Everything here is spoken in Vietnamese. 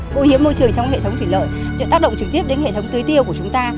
phụ hiểm môi trường trong hệ thống thủy lợi sẽ tác động trực tiếp đến hệ thống tươi tiêu của chúng ta